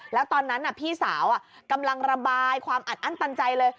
แล้วตอนนั้นพี่สาวกำลังระบายความอัดอั้นตันใจเลย